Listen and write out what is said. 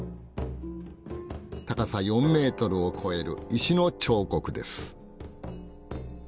高さ４メートルを超える石の彫刻です。